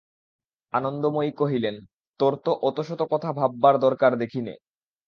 আনন্দময়ী কহিলেন, তোর তো অতশত কথা ভাববার দরকার দেখি নে।